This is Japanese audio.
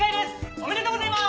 ありがとうございます。